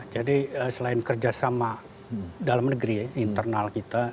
jadi selain kerjasama dalam negeri ya internal kita